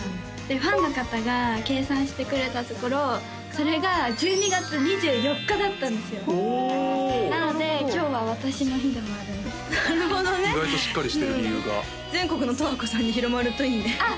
ファンの方が計算してくれたところそれが１２月２４日だったんですよおおなので今日は私の日でもあるんですなるほどね意外としっかりしてる理由が全国のとわこさんに広まるといいねあっ